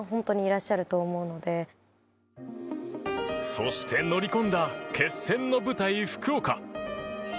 そして、乗り込んだ決戦の舞台・福岡。